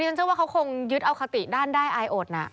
ฉันเชื่อว่าเขาคงยึดเอาคติด้านได้อายอดน่ะ